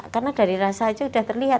karena dari rasa saja sudah terlihat